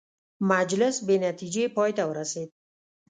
مجلس بې نتیجې پای ته ورسېد.